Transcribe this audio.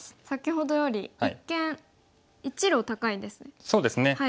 先ほどより一間１路高いですね。